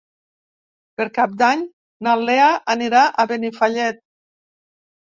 Per Cap d'Any na Lea anirà a Benifallet.